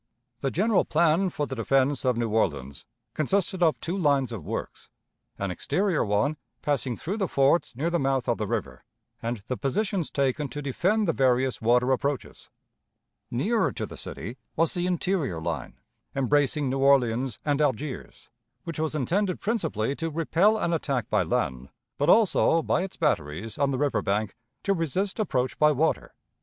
The general plan for the defense of New Orleans consisted of two lines of works: an exterior one, passing through the forts near the month of the river, and the positions taken to defend the various water approaches; nearer to the city was the interior line, embracing New Orleans and Algiers, which was intended principally to repel an attack by land, but also, by its batteries on the river bank, to resist approach by water.